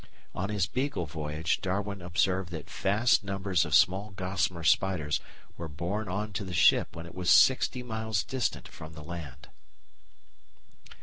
On his Beagle voyage Darwin observed that vast numbers of small gossamer spiders were borne on to the ship when it was sixty miles distant from the land.